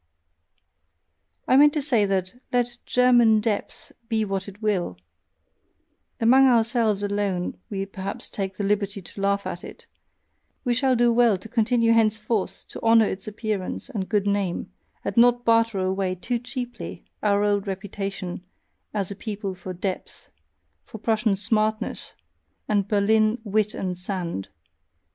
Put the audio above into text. I meant to say that, let "German depth" be what it will among ourselves alone we perhaps take the liberty to laugh at it we shall do well to continue henceforth to honour its appearance and good name, and not barter away too cheaply our old reputation as a people of depth for Prussian "smartness," and Berlin wit and sand.